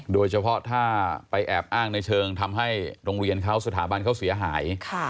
โดยเฉพาะถ้าไปแอบอ้างในเชิงทำให้โรงเรียนเขาสถาบันเขาเสียหาย